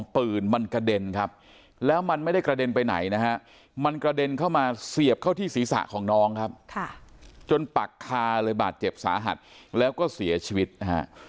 ปืนมันกระเด็นครับแล้วมันไม่ได้กระเด็นไปไหนนะฮะมันกระเด็นเข้ามาเสียบเข้าที่ศีรษะของน้องครับจนปักคาเลยบาดเจ็บสาหัสแล้วก็เสียชีวิตนะฮะ